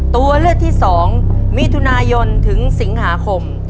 ตัวเลือกที่๒มิถุนายนถึงสิงหาคม